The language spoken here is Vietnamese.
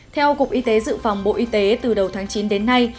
theo cục y tế dự phòng bộ y tế từ đầu tháng chín đến nay